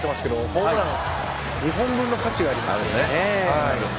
ホームラン２本分の価値がありますね。